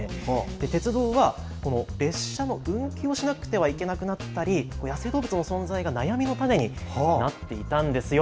鉄道は、この列車の運休をしなくてはいけなくなったり、野生動物の存在が悩みの種になっていたんですよ。